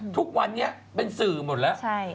ทุกวันเป็นสื่อหมดละ